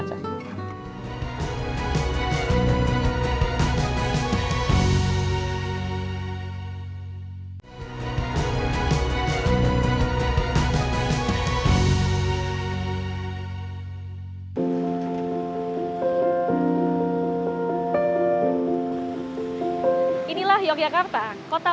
kisah yang terakhir adalah dari kebaikan yang dilakukan dengan semangat gotong royong